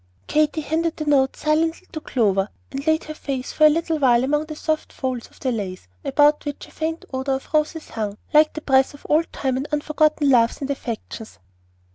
"] Katy handed the note silently to Clover, and laid her face for a little while among the soft folds of the lace, about which a faint odor of roses hung like the breath of old time and unforgotten loves and affections.